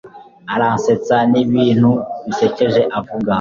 Aransetsa nibintu bisekeje avuga